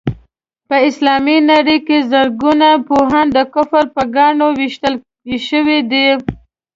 په اسلامي نړۍ کې زرګونه پوهان د کفر په ګاڼو ويشتل شوي دي.